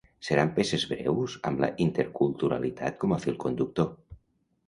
Seran peces breus amb la interculturalitat com a fil conductor.